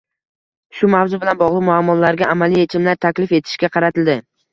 Shu mavzu bilan bogʻliq muammolarga amaliy yechimlar taklif etishga qaratildi.